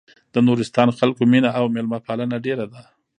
د نورستان خلکو مينه او مېلمه پالنه ډېره ده.